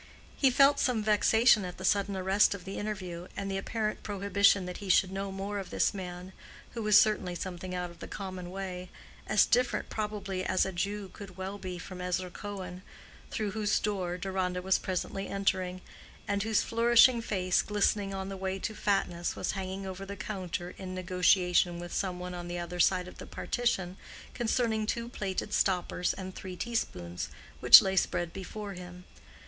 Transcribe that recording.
He felt some vexation at the sudden arrest of the interview, and the apparent prohibition that he should know more of this man, who was certainly something out of the common way—as different probably as a Jew could well be from Ezra Cohen, through whose door Deronda was presently entering, and whose flourishing face glistening on the way to fatness was hanging over the counter in negotiation with some one on the other side of the partition, concerning two plated stoppers and three teaspoons, which lay spread before him.